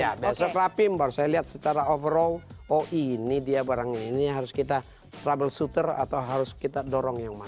ya besok rapim baru saya lihat secara overall oh ini dia barang ini harus kita trouble suter atau harus kita dorong yang mana